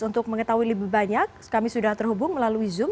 untuk mengetahui lebih banyak kami sudah terhubung melalui zoom